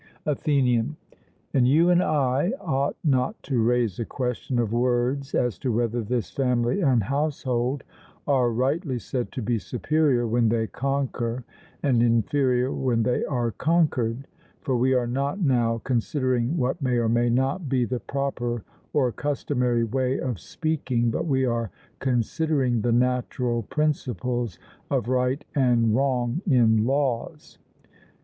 ATHENIAN: And you and I ought not to raise a question of words as to whether this family and household are rightly said to be superior when they conquer, and inferior when they are conquered; for we are not now considering what may or may not be the proper or customary way of speaking, but we are considering the natural principles of right and wrong in laws.